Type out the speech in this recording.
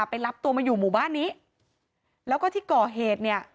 ไปรับตัวมาอยู่หมู่บ้านนี้แล้วก็ที่ก่อเหตุเนี่ย